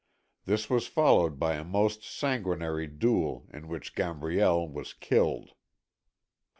This was followed by a most sanguinary duel in which Gambriel was killed.